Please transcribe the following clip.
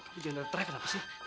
tapi jangan retrekan aku sih